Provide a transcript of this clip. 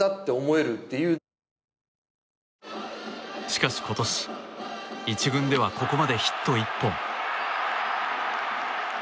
しかし、今年１軍ではここまでヒット１本。